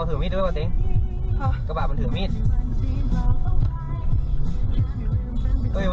เปลี่ยนก่อนใจเย็นดี